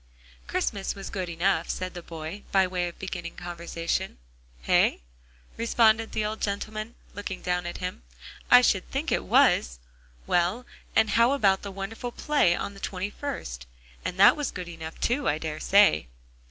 "Christmas was good enough," said the boy, by way of beginning conversation. "Hey?" responded the old gentleman, looking down at him, "I should think it was. Well, and how about the wonderful play on the twenty first? And that was good enough, too, I dare say."